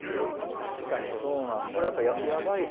確かにそうなんだよね。